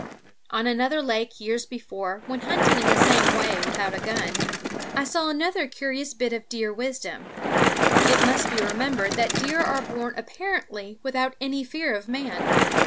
On another lake, years before, when hunting in the same way without a gun, I saw another curious bit of deer wisdom. It must be remembered that deer are born apparently without any fear of man.